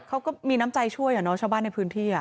เขาก็มีน้ำใจช่วยชาวบ้านในพื้นที่